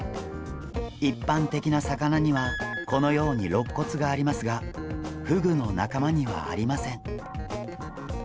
一般的な魚にはこのようにろっ骨がありますがフグの仲間にはありません。